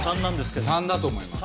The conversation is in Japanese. ３だと思います。